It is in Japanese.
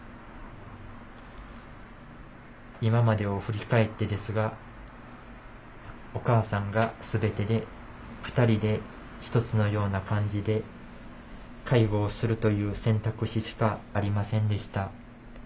今までを振り返ってですがお母さんが全てで２人で１つのような感じで介護をするという選択肢しかありませんでした。